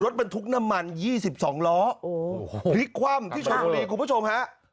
รถมันทุกน้ำมันยี่สิบสองล้อโอ้โหพลิกคว่ำที่ชอบดีคุณผู้ชมฮะ